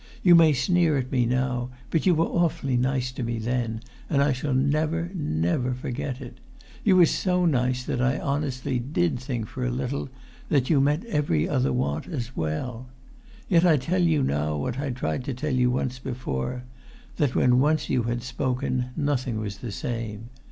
You may sneer at me now, but you were awfully nice to me then, and I shall never, never forget it. You were so nice that I honestly did think for a little that you met every other want as well! Yet I tell you now, what I tried to tell you once before, that when once you had spoken nothing was the same.